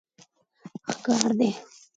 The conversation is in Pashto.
ښکار دي